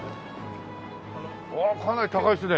かなり高いですね。